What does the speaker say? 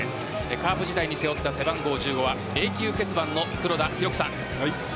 カープ時代に背負った背番号１５は永久欠番の黒田博樹さん。